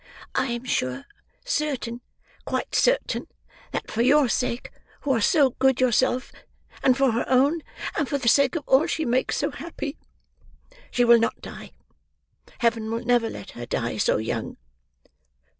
I am sure—certain—quite certain—that, for your sake, who are so good yourself; and for her own; and for the sake of all she makes so happy; she will not die. Heaven will never let her die so young."